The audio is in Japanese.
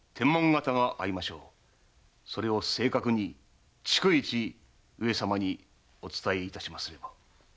それを正確に逐一上様にお伝えいたしますれば。